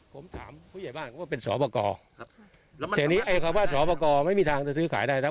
ผมถามผู้ใหญ่บ้านว่าเป็นสอบกรแต่นี้เขาว่าสอบกรไม่มีทางจะซื้อขายได้ครับ